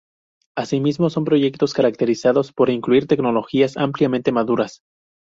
Asimismo, son proyectos caracterizados por incluir tecnologías ampliamente maduras.